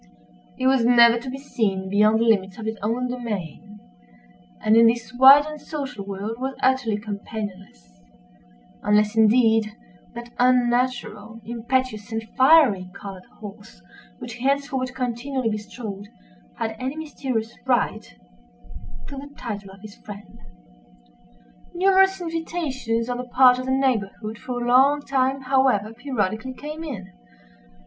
He was never to be seen beyond the limits of his own domain, and, in this wide and social world, was utterly companionless—unless, indeed, that unnatural, impetuous, and fiery colored horse, which he henceforward continually bestrode, had any mysterious right to the title of his friend. Numerous invitations on the part of the neighborhood for a long time, however, periodically came in.